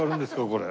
これ。